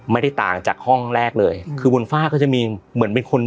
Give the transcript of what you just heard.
ไม่ได้ต่างจากห้องแรกเลยคือบนฝ้าก็จะมีเหมือนเป็นคน